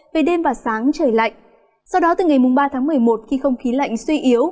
về đêm và sáng trời lạnh sau đó từ ngày ba tháng một mươi một khi không khí lạnh suy yếu